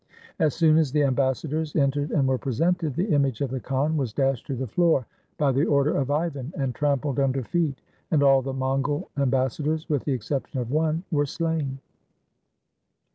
As soon as the ambassadors en tered and were presented, the image of the khan was dashed to the floor, by the order of Ivan, and trampled under feet; and all the Mongol ambassadors, with the exception of one, were slain.